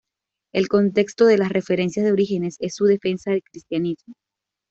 El contexto de las referencias de Orígenes es su defensa del cristianismo.